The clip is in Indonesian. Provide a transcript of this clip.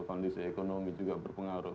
kondisi ekonomi juga berpengaruh